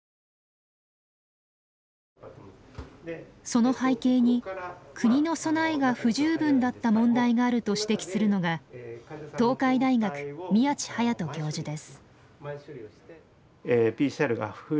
その背景に国の備えが不十分だった問題があると指摘するのが東海大学宮地勇人教授です。